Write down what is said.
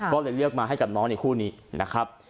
ก็เลยเลือกมาให้กับน้องในคู่นี้นะครับ